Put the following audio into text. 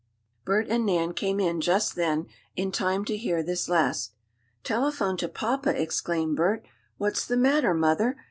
Bert and Nan came in just then, in time to hear this last. "Telephone to papa!" exclaimed Bert "What's the matter, mother?